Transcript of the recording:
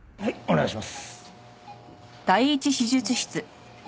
お願いします。